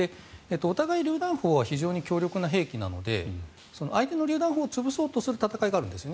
お互い、りゅう弾砲は非常に強力な兵器なので相手のりゅう弾砲を潰そうとする戦いがあるんです。